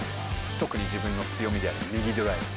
特に自分の強みである右ドライブ。